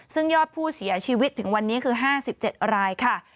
ซึ่งยอดผู้เสียชีวิตถึงวันนี้คือ๕๗รายค่ะ